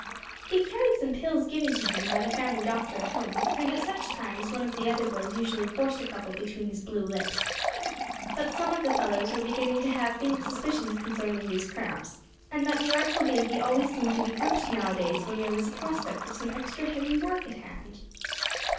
He carried some pills given to him by the family doctor at home, and at such times one of the other boys usually forced a couple between his blue lips. But some of the fellows were beginning to have faint suspicions concerning these "cramps;" and that the artful Davy always seemed to be gripped nowadays when there was a prospect of some extra heavy work at hand.